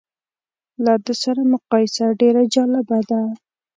له ده سره مقایسه ډېره جالبه ده.